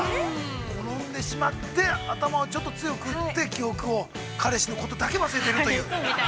転んでしまって、頭をちょっと強く打って、記憶を、彼氏のことだけを忘れているという。